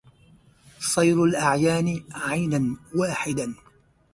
صير الأعيان عينا واحدا